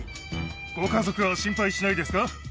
ご家族は心配しないですか？